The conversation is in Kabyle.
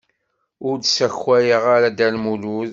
Ur d-ssakay ara Dda Lmulud.